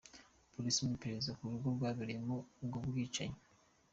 Polisi mu iperereza mu rugo rwabereyemo ubu bwicanyi.